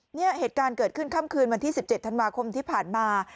เหตุการณ์เกิดขึ้นค่ำคืนวันที่๑๗ธันวาคมที่ผ่านมา